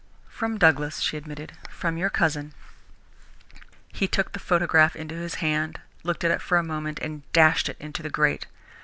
"From Douglas," she admitted, "from your cousin." He took the photograph into his hand, looked at it for a moment, and dashed it into the grate.